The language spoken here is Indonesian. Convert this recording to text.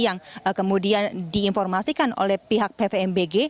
yang kemudian diinformasikan oleh pihak pvmbg